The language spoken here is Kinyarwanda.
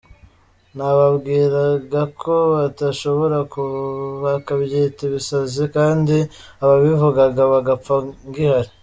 Nababwira ga ko batanshobora, bakabyita ibisazi, kandi ababivugaga bagapfa ngihari.